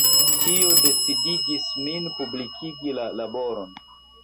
Tio decidigis min publikigi la laboron.